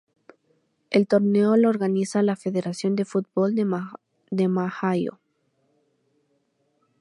El torneo lo organiza la Federación de Fútbol de Maio.